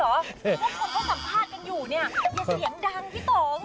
เมื่อกวันเค้าสัมภาษณ์กันอยู่อย่าเสียงดังพี่ต่อ